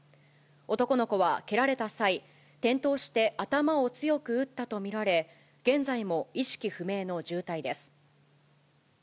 男の子は蹴られた際、転倒して頭を強く打ったと見られ、現在も意識不明の重体です。